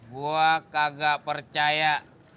gue kagak percaya